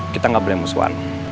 kita gak beli musuhan